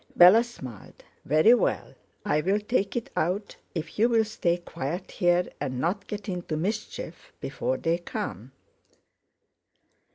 Bella smiled. "Very well, I'll take it out if you'll stay quiet here and not get into mischief before they come."